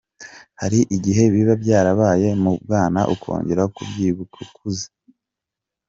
Hari n’igihe biba byarabaye mu bwana ukongera kubyibuka ukuze.